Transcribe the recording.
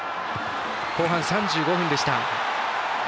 後半３５分でした。